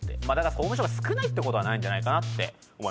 「総務省」が少ないことはないんじゃないかなと思いました。